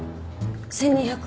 １２００。